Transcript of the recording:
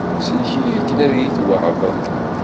Sellek-iyi akken i iyi-t-tweɛdeḍ!